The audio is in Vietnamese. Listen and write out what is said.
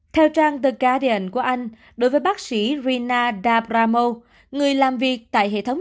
theo trang the guardian của anh đối với bác sĩ rina dabramo người làm việc tại hệ thống